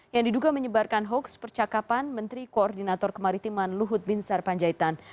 yang diduga menyebarkan hoaks percakapan menteri koordinator kemaritiman luhut bin sarpanjaitan